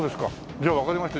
じゃあわかりました。